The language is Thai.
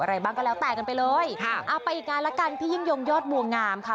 อะไรบ้างก็แล้วแต่กันไปเลยค่ะเอาไปอีกงานละกันพี่ยิ่งยงยอดบัวงามค่ะ